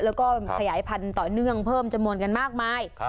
แล้วก็ขยายพันธุ์ต่อเนื่องเพิ่มจำนวนกันมากมาย